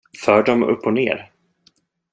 För dem upp och ner.